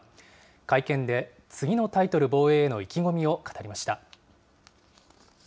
会見で次のタイトル防衛への意気込みを語りました。